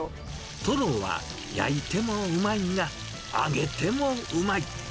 トロは焼いてもうまいが、揚げてもうまい。